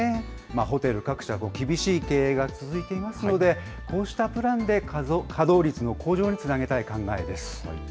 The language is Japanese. ホテル各社、厳しい経営が続いていますので、こうしたプランで稼働率の向上につなげたい考えです。